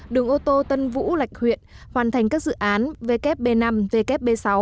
đường ô tô tân vũ lạch huyện hoàn thành các dự án wb năm wb sáu